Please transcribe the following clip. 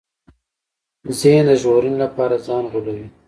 ذهن د ژغورنې لپاره ځان غولوي.